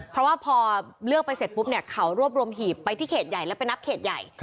เพราะว่าพอเลือกไปเสร็จปุ๊บเนี่ยเขารวบรวมหีบไปที่เขตใหญ่แล้วไปนับเขตใหญ่